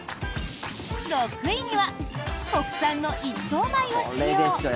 ６位には国産の一等米を使用。